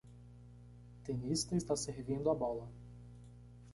Tenista está servindo a bola.